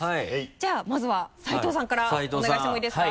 じゃあまずは斉藤さんからお願いしてもいいですか？